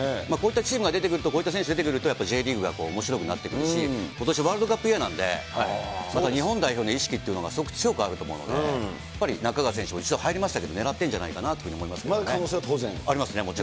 こういったチームが出てくると、こういった選手が出てくると、Ｊリーグがおもしろくなってくるし、ことし、ワールドカップイヤーなんで、また日本代表の意識っていうのがすごく強くあると思うので、やっぱり仲川選手、一度入りましたけど、ねらってるんじゃないかなと思いますね。